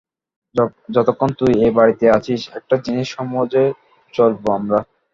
যতক্ষণ তুই এই বাড়িতে আছিস, একটা জিনিস সমঝে চলবো আমরা।